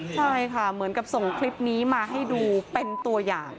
ใช่ค่ะเหมือนกับส่งคลิปนี้มาให้ดูเป็นตัวอย่าง